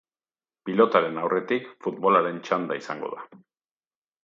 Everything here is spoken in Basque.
Pilotaren aurretik, futbolaren txanda izango da.